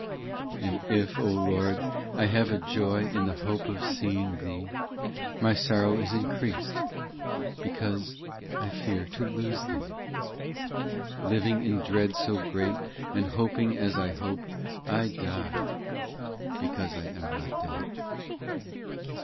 VI And if, O Lord, I have a joy In the hope of seeing Thee ; My sorrow is increased, Because I fear to lose Thee. Living in dread so great And hoping as I hope, I die, because I am not dead.